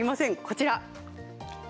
こちら。